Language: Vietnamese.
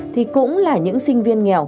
thì cũng là những sinh viên nghèo